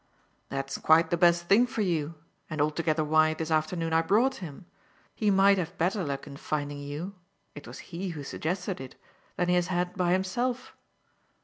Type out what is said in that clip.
"That's quite the best thing for you and altogether why, this afternoon, I brought him: he might have better luck in finding you it was he who suggested it than he has had by himself.